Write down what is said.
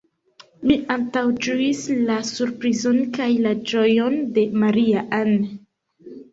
Mi antaŭĝuis la surprizon kaj la ĝojon de Maria-Ann.